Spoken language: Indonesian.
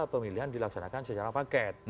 pemilihan dilaksanakan secara paket